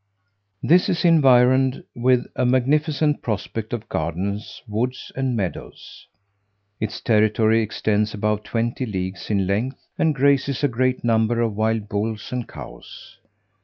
This is environed with a magnificent prospect of gardens, woods, and meadows. Its territory extends above twenty leagues in length, and grazes a great number of wild bulls and cows.